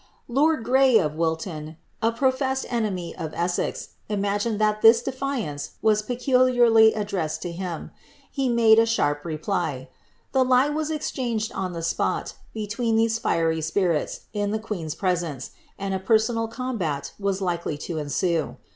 Lord Grey, of Wilton, a professed enemy of Essex, imagined that this defiance was peculiarly addressed to him ; he made a sharp reply. The lie was exchanged on the spot, between these fiery spirits, in the queen's presence, and a personal combat was likely to ensue.